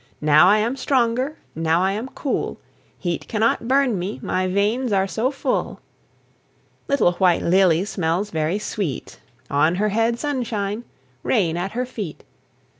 Now I am stronger, Now I am cool; Heat cannot burn me, My veins are so full." Little White Lily Smells very sweet; On her head sunshine, Rain at her feet.